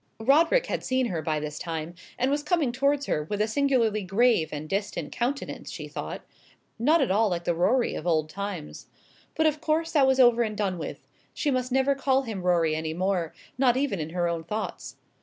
Roderick had seen her by this time, and was coming towards her with a singularly grave and distant countenance, she thought; not at all like the Rorie of old times. But of course that was over and done with. She must never call him Rorie any more, not even in her own thoughts.